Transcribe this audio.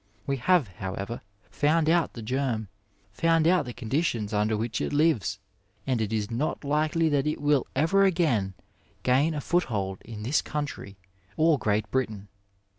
We have, however, found out the germ, found out the conditions under which it lives, and it is not likely that it will ever again gain a foothold in this country or Great Britain.